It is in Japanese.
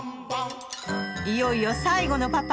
いよいよ最後のパパ